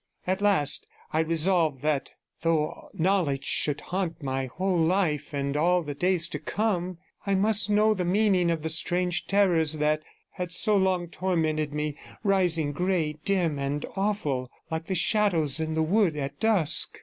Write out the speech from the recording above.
At last I resolved that though knowledge should haunt my whole life and all the days to come, I must know the meaning of the strange terrors that had so long tormented me, rising grey, dim, and awful, like the shadows in the wood at dusk.